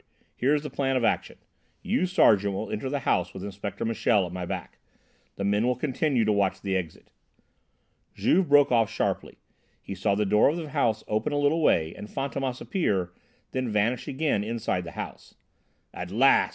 Here is the plan of action. You, Sergeant, will enter the house with Inspector Michel, at my back. The men will continue to watch the exit." Juve broke off sharply. He saw the door of the house open a little way and Fantômas appear, then vanish again inside the house. "At last!"